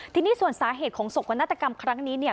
ที่นี่ส่วนสาเหตุของศพคณะตกรรมครั้งนี้